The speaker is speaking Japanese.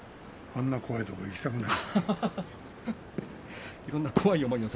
あんな怖いところへ行きたくないよ。